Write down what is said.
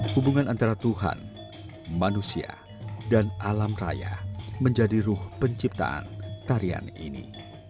hubungan antara tuhan manusia dan alam raya menjadi ruh penciptaan tarian ini